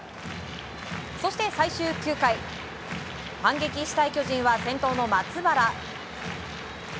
そして、最終９回反撃したい巨人は先頭の松原。